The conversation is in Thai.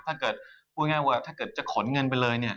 ถ้าเกิดพูดง่ายว่าถ้าเกิดจะขนเงินไปเลยเนี่ย